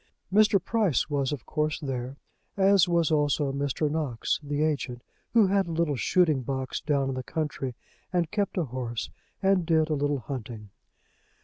Mr. Price was of course there, as was also Mr. Knox, the agent, who had a little shooting box down in the country, and kept a horse, and did a little hunting.